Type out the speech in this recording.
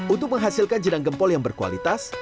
untuk menghasilkan jenang gempol yang berkualitas